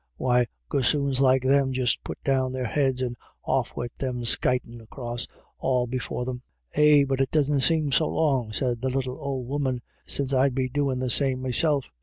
Why, gossoons like them just put down their heads and off wid them skytin' across all before them. Eh, but it doesn't seem so long," said the little old woman, ' since I'd be doin' the same meself.